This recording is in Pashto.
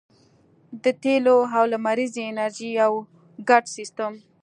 د تیلو او لمریزې انرژۍ یو ګډ سیستم